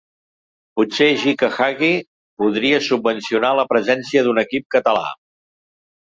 Potser Gica Hagi podria subvencionar la presència d'un equip català.